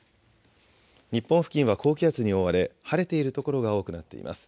日本付近は高気圧に覆われ晴れている所が多くなっています。